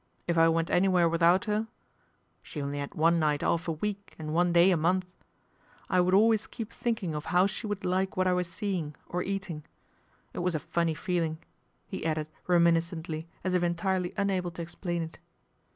If I went anywhere without 'er she only ad one night off a week and one day a month would always keep thinking of how she would ke what I was seeing, or eating. It was a funny Deling," he added reminiscently as if entirely liable to explain it.